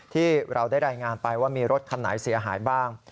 ที่เราได้รายงานไปว่ามีรถคันไหนเสียหายบ้าง